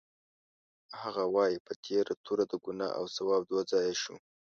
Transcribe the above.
هغه وایي: په تېره توره د ګناه او ثواب دوه ځایه شو.